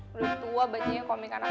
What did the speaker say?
belum tua baca komik anak anak